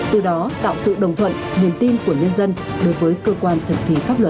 từ đó tạo sự đồng thuận niềm tin của nhân dân đối với cơ quan thực thi pháp luật